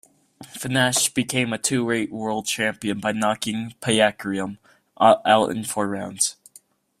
Fenech became a two-weight world champion by knocking Payakarum out in four rounds.